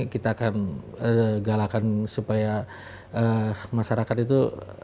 kita akan galakan supaya masyarakat itu